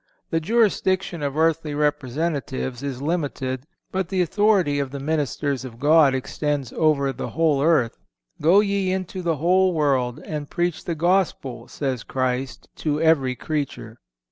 (492) The jurisdiction of earthly representatives is limited, but the authority of the ministers of God extends over the whole earth. "Go ye into the whole world and preach the Gospel," says Christ, "to every creature."